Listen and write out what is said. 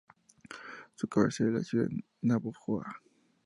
Su cabecera es la ciudad de Navojoa.